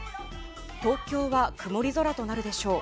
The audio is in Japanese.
東京は曇り空となるでしょう。